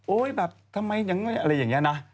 โอ๊ยแบบทำไมยังอะไรอย่างนี้นะ